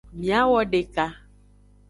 Miawodeka.